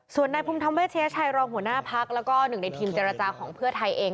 ส่วนนายภูมิธรรมเวชยชัยรองหัวหน้าพักแล้วก็หนึ่งในทีมเจรจาของเพื่อไทยเอง